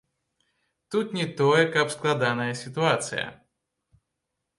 Тут не тое, каб складаная сітуацыя.